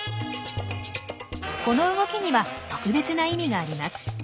この動きには特別な意味があります。